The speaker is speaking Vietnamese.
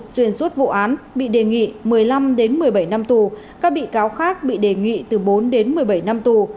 xuyên suốt vụ án bị đề nghị một mươi năm một mươi bảy năm tù các bị cáo khác bị đề nghị từ bốn đến một mươi bảy năm tù